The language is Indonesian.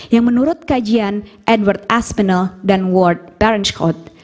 yang menurut kajian edward aspinall dan ward berenschott